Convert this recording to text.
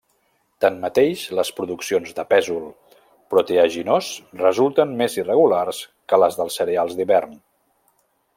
Tanmateix les produccions de pèsol proteaginós resulten més irregulars que la dels cereals d'hivern.